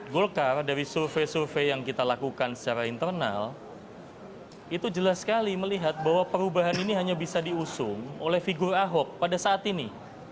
golkar dari survei survei yang kita lakukan secara internal itu jelas sekali melihat bahwa perubahan ini hanya bisa diusung oleh figur ahok pada saat ini